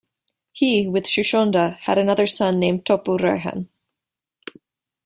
He, with Shuchonda, had another son named Topu Raihan.